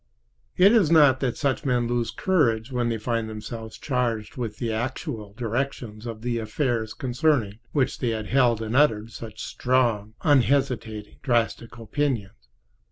It is not that such men lose courage when they find themselves charged with the actual direction of the affairs concerning which they have held and uttered such strong, unhesitating, drastic opinions.